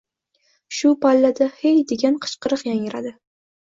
Shu pallada: “Hey!” degan qichqiriq yangradi